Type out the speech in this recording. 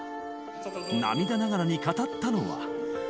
涙ながらに語ったのは。